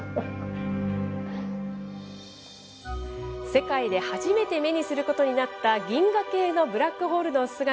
世界で初めて目にすることになった、銀河系のブラックホールの姿。